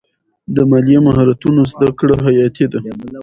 د مالي مهارتونو زده کړه حیاتي ده.